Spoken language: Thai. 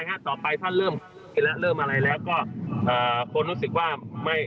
ต่อไปท่านเริ่มเห็นแล้วเริ่มอะไรแล้วก็คนรู้สึกว่าไม่